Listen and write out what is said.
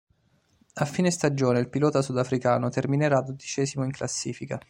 A fine stagione il pilota sudafricano terminerà dodicesimo in classifica.